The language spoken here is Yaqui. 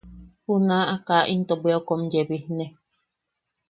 Junaʼa kaa into bwiau kom yebijne.